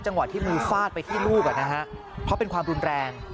ที่มือฟาดไปที่ลูกเพราะเป็นความรุนแรง